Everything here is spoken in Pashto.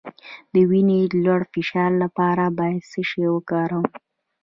د وینې د لوړ فشار لپاره باید څه شی وکاروم؟